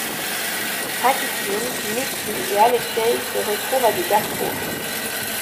Rakitine, Dmitri et Alexeï se retrouvent à des carrefours.